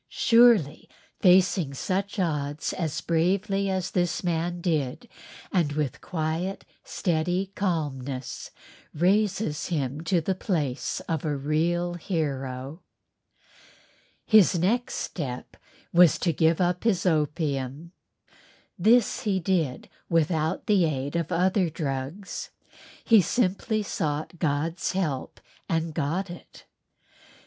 Surely facing such odds as bravely as this man did and with quiet steady calmness raises him to the place of a real hero. His next step was to give up his opium. This he did without the aid of other drugs. He simply sought God's help and got it.